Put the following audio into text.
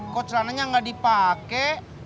kok celananya gak dipake